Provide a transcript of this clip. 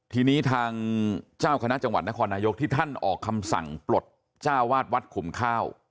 ทีนี้ทางเจ้าคณะจังหวัดนครนายกที่ท่านออกคำสั่งปลดจ้าวาดวัดขุมข้าว